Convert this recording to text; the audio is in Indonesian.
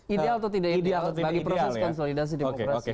ideal atau tidak ideal bagi proses konsolidasi demokrasi